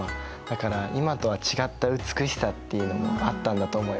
だから今とは違った美しさっていうのがあったんだと思います。